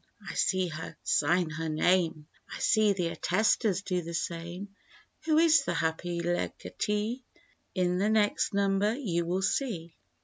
I see her sign her name, I see the attestors do the same. Who is the happy legatee? In the next number you will see.